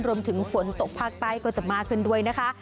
รวมถึงฝนตกภาคใต้ก็จะมากขึ้นด้วยนะคะ